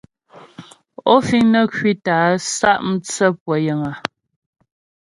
Ó fíŋ nə́ ŋkwítə́ a sá' mtsə́ pʉə́ yəŋ ?